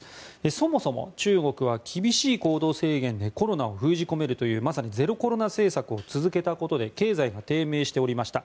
そもそも中国は厳しい行動制限でコロナを封じ込めるというまさにゼロコロナ政策を続けたことで経済が低迷しておりました。